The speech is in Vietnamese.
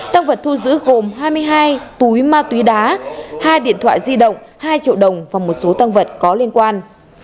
tăng vật thu giữ gồm hai mươi hai túi ma túy đá hai điện thoại di động hai triệu đồng và một số tăng vật có liên quan